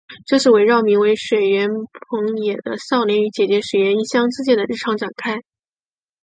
这是围绕名为水原朋也的少年与姐姐水原一香之间的日常展开。